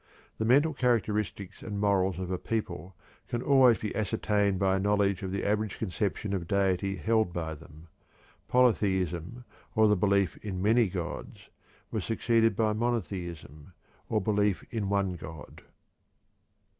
The mental characteristics and morals of a people can always be ascertained by a knowledge of the average conception of deity held by them. Polytheism, or the belief in many gods, was succeeded by monotheism, or belief in one god.